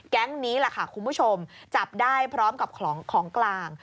นี้แหละค่ะคุณผู้ชมจับได้พร้อมกับของกลาง